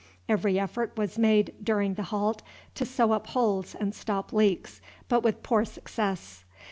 Every effort was made during the halt to sew up holes and stop leaks, but with poor success.